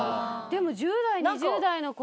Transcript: でも１０代２０代の子が。